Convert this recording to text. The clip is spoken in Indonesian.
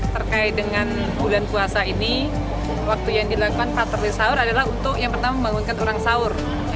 terkait dengan bulan puasa ini waktu yang dilakukan patroli sahur adalah untuk yang pertama membangunkan orang sahur